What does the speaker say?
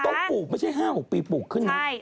ต้องปลูกไม่ใช่๕๖ปีปลูกขึ้นเนี่ย